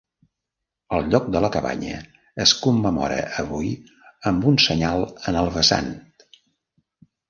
El lloc de la cabanya es commemora avui amb un senyal en el vessant.